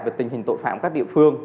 về tình hình tội phạm các địa phương